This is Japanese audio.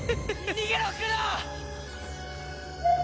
逃げろ九堂！